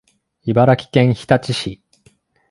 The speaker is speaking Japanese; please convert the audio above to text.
茨城県日立市